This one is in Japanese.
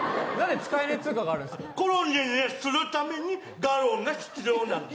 コロニーにするためにガロンが必要なんです。